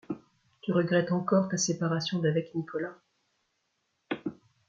Tu regrettes encore ta séparation d’avec Nicolas. ..